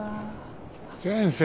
先生。